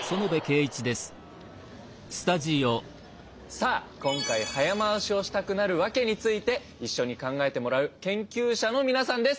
さあ今回「早回しをしたくなるワケ」について一緒に考えてもらう研究者の皆さんです。